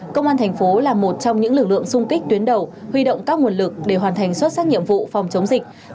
công an thành phố là một trong những lực lượng sung kích tuyến đầu huy động các nguồn lực để hoàn thành xuất sắc nhiệm vụ phòng chống dịch